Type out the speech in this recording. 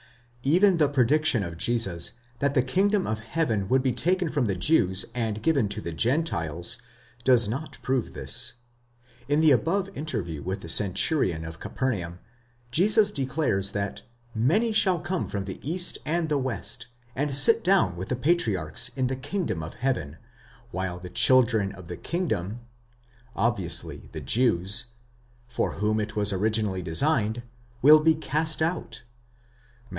Even the prediction of Jesus that the kingdom of heaven would be taken from the Jews and given to the Gentiles, does not prove this. In the above interview with the centurion of Capernaum, Jesus declares that many shall come from the east and the west, and sit down with the patriarchs in ¢he kingdom of heaven, while the children of the kingdom (obviously the Jews), for whom it was originally designed, will be cast out (Matt.